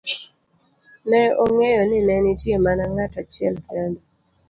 ne ong'eyo ni ne nitie mana ng'at achiel kende